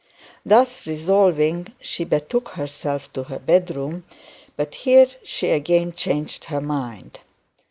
Thus resolving, she betook herself to her bed room; but here she again changed her mind.